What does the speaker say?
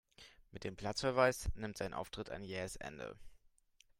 Mit dem Platzverweis nimmt sein Auftritt ein jähes Ende.